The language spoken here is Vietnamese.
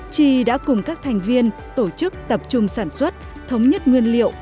chi đã cùng các thành viên tổ chức tập trung sản xuất thống nhất nguyên liệu